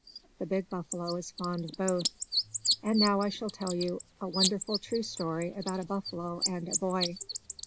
The big buffalo is fond of both. And now I shall tell you a wonderful true story about a buffalo and a boy.